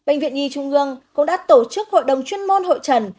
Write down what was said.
bệnh viện nhi trung ương cũng đã tổ chức hội đồng chuyên môn hội trần